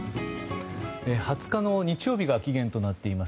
２０日の日曜日が期限となっています